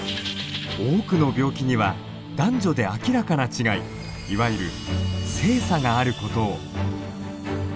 多くの病気には男女で明らかな違いいわゆる性差があることを。